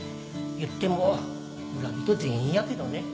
言っても村人全員やけどね